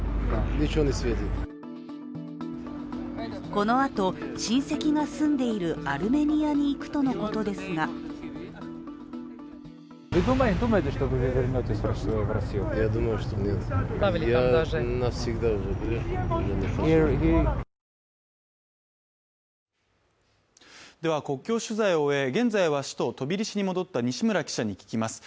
このあと、親戚が住んでいるアルメニアに行くとのことですが国境取材を終え、現在は首都トビリシに戻った西村記者に聞きます。